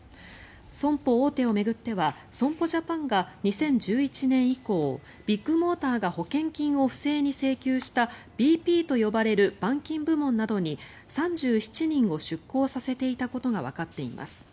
損保大手を巡っては損保ジャパンが２０１１年以降ビッグモーターが保険金を不正に請求したＢＰと呼ばれる板金部門などに３７人を出向させていたことがわかっています。